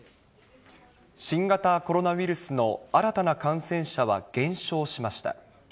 新型コロナウイルスの新たな感染者は減少しました。